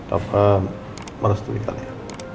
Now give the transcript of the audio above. apa merestu kita ya